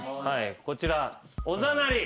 こちら「おざなり」